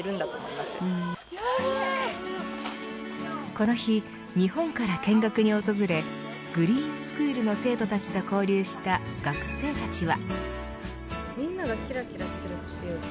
この日、日本から見学に訪れグリーンスクールの生徒たちと交流した学生たちは。